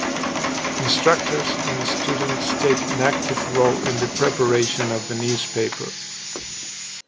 Instructors and students take an active role in the preparation of the newspaper.